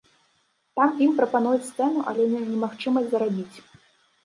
Там ім прапануюць сцэну, але не магчымасць зарабіць.